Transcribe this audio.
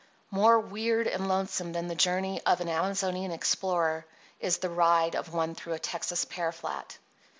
More weird and lonesome than the journey of an Amazonian explorer is the ride of one through a Texas pear flat.